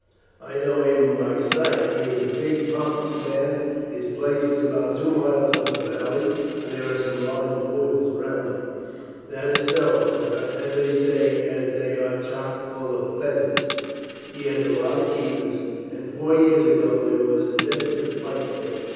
"I know him by sight. He is a big, pompous man; his place is about two miles up the valley, and there are some large woods round it." "That is so, sir; and they say as they are chock full of pheasants. He has a lot of keepers, and four years ago there was a desperate fight there.